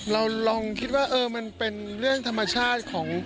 เราลองคิดว่ามันเป็นเรื่องธรรมชาติของ